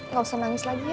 gak usah nangis lagi ya